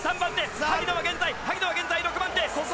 萩野は現在６番手。